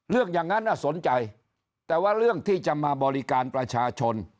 เรื่องอย่างนั้นสนใจแต่ว่าเรื่องที่จะมาบริการประชาชน